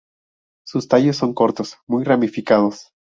Sus tallos son cortos, muy ramificados.